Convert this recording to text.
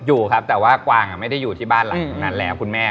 อยู่ครับแต่ว่ากวางไม่ได้อยู่ที่บ้านหลังตรงนั้นแล้วคุณแม่